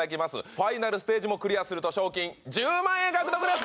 ファイナルステージもクリアすると賞金１０万円獲得です